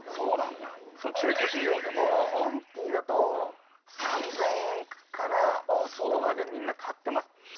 中古市場でも、センティだと３０００円からとかでみんな買ってます。